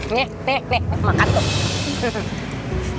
nyeh teh teh makan tuh